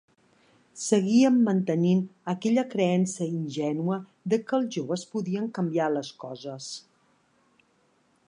Seguíem mantenint aquella creença ingènua de que els joves podien canviar les coses.